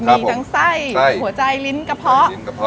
มีทั้งไส้หัวใจลิ้นกระเพาะ